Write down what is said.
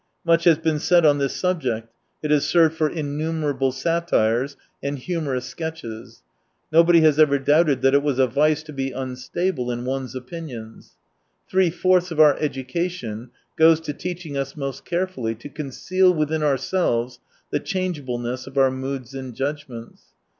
Much has been said on this subject, it has served for innumerable satires and humorous sketches. Nobody has ever doubted that it was a vice to be unstable is one's opinions. Three fourths of our education goes to teaching us most carefully to conceal within ourselves the changeableness of our moods and judgments.